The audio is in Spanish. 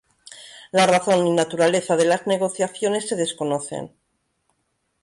La razón y naturaleza de las negociaciones se desconocen.